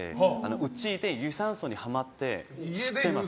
うちで有酸素にはまってやってます。